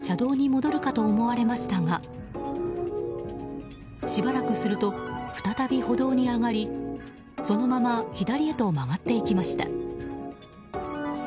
その後、バイクは車道に戻るかと思われましたがしばらくすると再び歩道に上がりそのまま左へと曲がっていきました。